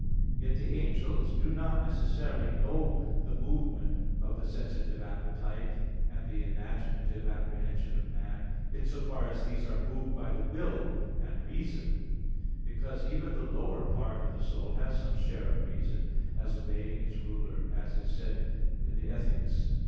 Yet the angels do not necessarily know the movement of the sensitive appetite and the imaginative apprehension of man in so far as these are moved by the will and reason; because, even the lower part of the soul has some share of reason, as obeying its ruler, as is said in Ethics iii, 12.